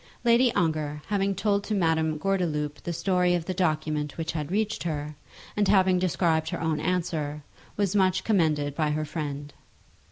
Lady Ongar, having told to Madame Gordeloup the story of the document which had reached her, and having described her own answer, was much commended by her friend.